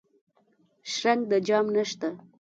شرنګ د جام نشته